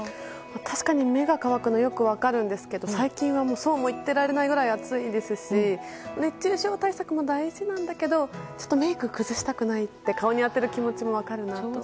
確かに目が乾くのはよく分かるんですけど最近はそうも言ってられないぐらい暑いですし熱中症対策も大事なんだけどメイク崩したくないって顔に当てる気持ちも分かるなと。